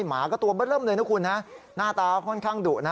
หมาก็ตัวบัดล่ำเลยนะคุณหน้าตาค่อนข้างดุนะ